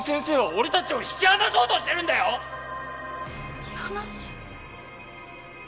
引き離す？